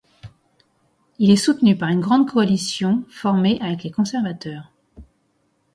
Il est soutenu par une grande coalition, formée avec les conservateurs.